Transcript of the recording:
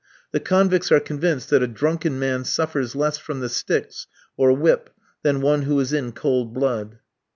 The convicts are convinced that a drunken man suffers less from the sticks or whip than one who is in cold blood.